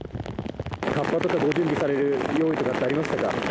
かっぱとかご準備される用意とかありましたか。